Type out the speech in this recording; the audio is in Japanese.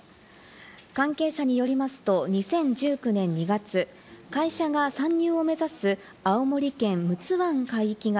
関係者によりますと、２０１９年２月、会社が参入を目指す青森県陸奥湾海域が